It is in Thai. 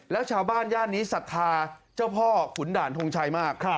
แล้วชาวบ้านย่านนี้ศรัทธาเจ้าพ่อขุนด่านทงชัยมาก